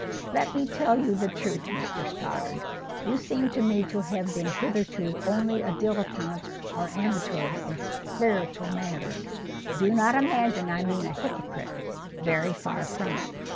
"Let me tell you the truth, Mr Stoddart. You seem to me to have been hitherto only a dilettante or amateur in spiritual matters. Do not imagine I mean a hypocrite. Very far from it.